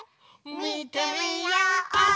みてみよう！